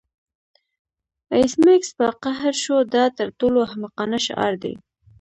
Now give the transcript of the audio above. ایس میکس په قهر شو دا تر ټولو احمقانه شعار دی